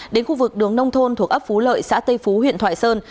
đến khu vực đường nông thôn thuộc ấp phú lợi xã tây phú huyện thoại sơn